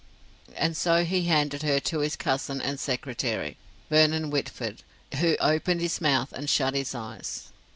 "And so he handed her to his cousin and secretary, Vernon Whitford, who opened his mouth and shut his eyes."